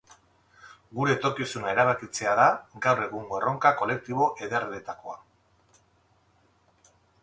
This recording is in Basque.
Gure etorkizuna erabakitzea da gaur egungo erronka kolektibo ederrenetakoa.